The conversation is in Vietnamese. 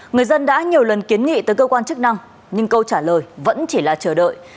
người dân đã nhiều lần kiến nghị tới cơ quan chức năng nhưng câu trả lời vẫn chỉ là chờ đợi